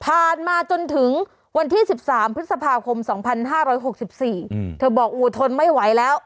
มาจนถึงวันที่๑๓พฤษภาคม๒๕๖๔เธอบอกอู๋ทนไม่ไหวแล้ว